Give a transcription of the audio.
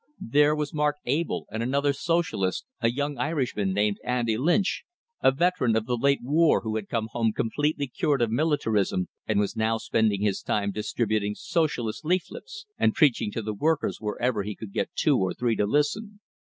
There was Mark Abell, and another Socialist, a young Irishman named Andy Lynch, a veteran of the late war who had come home completely cured of militarism, and was now spending his time distributing Socialist leaflets, and preaching to the workers wherever he could get two or three to listen.